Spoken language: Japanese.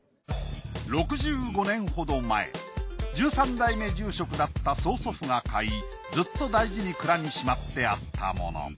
６５年ほど前１３代目住職だった曽祖父が買いずっと大事に蔵にしまってあったもの。